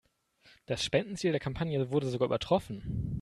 Das Spendenziel der Kampagne wurde sogar übertroffen.